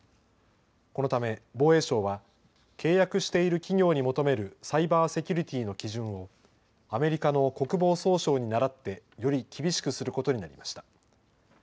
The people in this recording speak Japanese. このため防衛省は契約している企業に求めるサイバーセキュリティーの基準をアメリカの国防総省にならってより厳しくすることになりました。